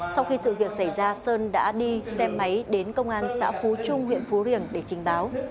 sau khi sự việc xảy ra sơn đã đi xe máy đến công an xã phú trung huyện phú riềng để trình báo